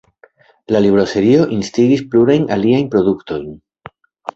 La libroserio instigis plurajn aliajn produktojn.